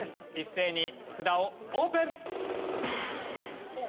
一斉に札をオープン！